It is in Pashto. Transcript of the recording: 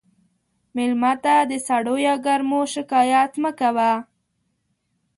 مېلمه ته د سړو یا ګرمو شکایت مه کوه.